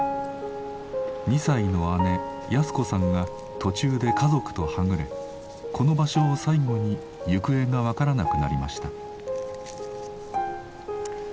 ２歳の姉安子さんが途中で家族とはぐれこの場所を最後に行方がわからなくなりました。